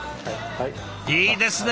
いいですね！